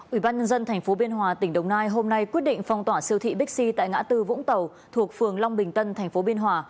ủy ban nhân dân tp biên hòa tỉnh đồng nai hôm nay quyết định phong tỏa siêu thị bixi tại ngã tư vũng tàu thuộc phường long bình tân tp biên hòa